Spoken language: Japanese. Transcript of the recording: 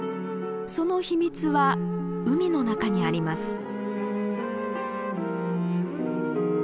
その秘密は海の中にあります。